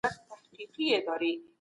زرین انځور او ډاکټر زیار لوی پوهان دي.